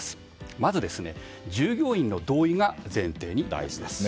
まず、従業員の同意が前提で大事です。